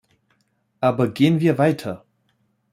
Aber gehen wir weiter.